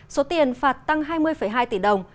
số tiền phạt tăng hai mươi hai tỷ đồng